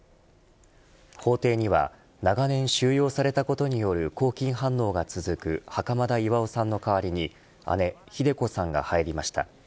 法廷には長年収容されたことによる拘禁反応が続く袴田巌さんの代わりに姉、ひで子さんが入りました。